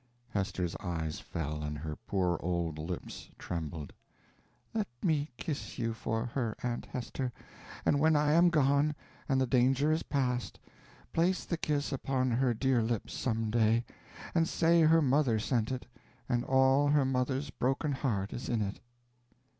Hester's eyes fell, and her poor old lips trembled. "Let me kiss you for her, Aunt Hester; and when I am gone, and the danger is past, place the kiss upon her dear lips some day, and say her mother sent it, and all her mother's broken heart is in it."